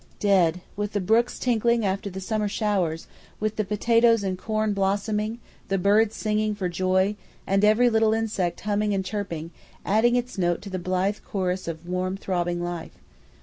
Dead! With the brooks tinkling after the summer showers, with the potatoes and corn blossoming, the birds singing for joy, and every little insect humming and chirping, adding its note to the blithe chorus of warm, throbbing life.